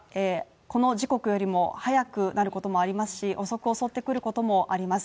この時刻よりも早くなることもありますし、遅く襲ってくることもあり